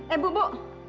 eh bu bu